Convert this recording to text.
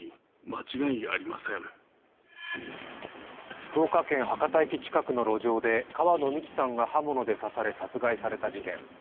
福岡県・博多駅近くの路上で川野美樹さんが刃物で刺され殺害された事件。